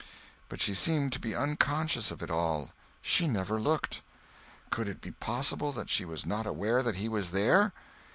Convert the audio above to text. But she seemed to be unconscious of it all; she never looked. Could it be possible that she was not aware that he was there?